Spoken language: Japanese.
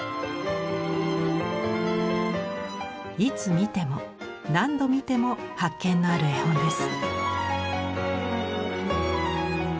いつ見ても何度見ても発見のある絵本です。